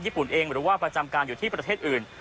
ญุ่นเองหรือว่าประจำการอยู่ที่ประเทศอื่น